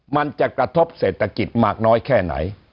มันจะกระทบเศรษฐกิจมากน้อยแค่ไหน